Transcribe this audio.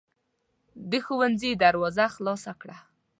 د ښوونځي دروازه خلاصه کړه.